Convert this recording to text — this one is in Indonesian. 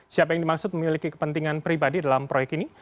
siapa yang dimaksud memiliki kepentingan pribadi dalam proyek ini